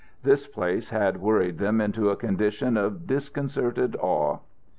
This place had worried them into a condition of disconcerted awe.